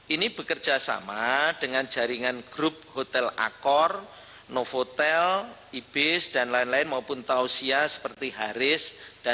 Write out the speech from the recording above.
ini bekerja sama dengan jaringan grup hotel akor novotel ibis dan lain lain maupun tausia seperti haris